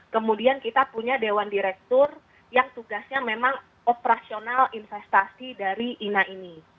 kemudian kita punya dewan direktur yang tugasnya memang operasional investasi dari ina ini